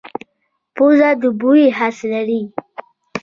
پوزه د بوی حس لري